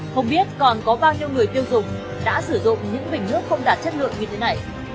không biết còn có bao nhiêu người tiêu dùng đã sử dụng những bình nước không đạt chất lượng như thế này